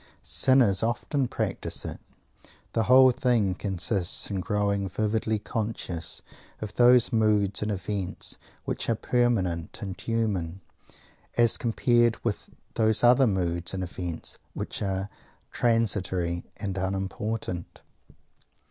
Sinners often practise it. The whole thing consists in growing vividly conscious of those moods and events which are permanent and human, as compared with those other moods and events which are transitory and unimportant.